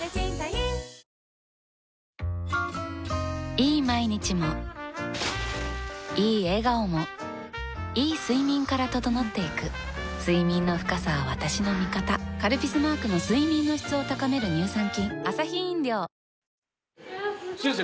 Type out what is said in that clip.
いい毎日もいい笑顔もいい睡眠から整っていく睡眠の深さは私の味方「カルピス」マークの睡眠の質を高める乳酸菌先生